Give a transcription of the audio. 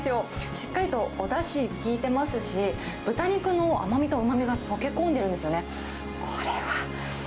しっかりとおだし効いてますし、豚肉の甘みとうまみが溶け込んでるんですよね。